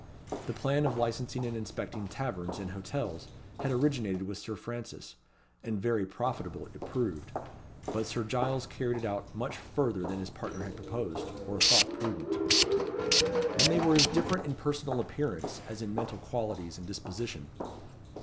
The plan of licensing and inspecting taverns and hotels had originated with Sir Francis, and very profitable it proved. But Sir Giles carried it out much further than his partner had proposed, or thought prudent. And they were as different in personal appearance, as in mental qualities and disposition.